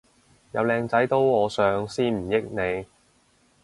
有靚仔都我上先唔益你